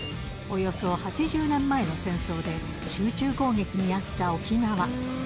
およそ８０年前の戦争で、集中攻撃に遭った沖縄。